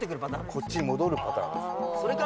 こっちに戻るパターンです。